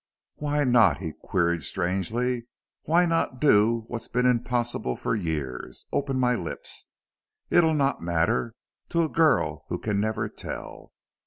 "Why not?" he queried, strangely. "Why not do what's been impossible for years open my lips? It'll not matter to a girl who can never tell!...